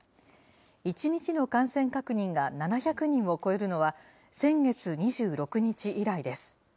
１日の感染確認が７００人を超えるのは、先月２６日以来です。